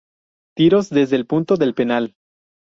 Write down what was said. Tiros desde el punto del penal.